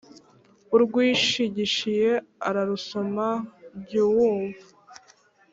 Urwishigishiye ararusoma jy’wumva